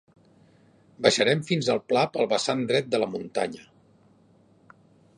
Baixarem fins al pla pel vessant dret de la muntanya.